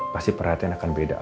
pasti perhatian akan beda